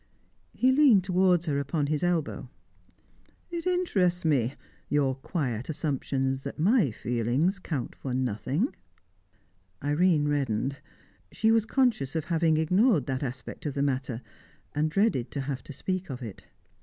He leaned towards her, upon his elbow. "It interests me your quiet assumption that my feelings count for nothing." Irene reddened. She was conscious of having ignored that aspect of the matter, and dreaded to have to speak of it.